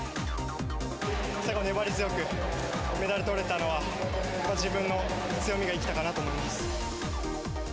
最後、粘り強く、メダルとれたのは、自分の強みが生きたかなと思います。